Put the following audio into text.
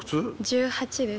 １８です。